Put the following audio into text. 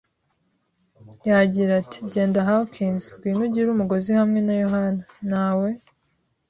Yagira ati: “Genda, Hawkins;” “Ngwino ugire umugozi hamwe na Yohana. Ntawe